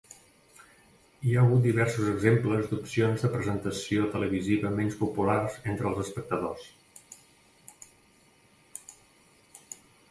Hi ha hagut diversos exemples d'opcions de presentació televisiva menys populars entre els espectadors.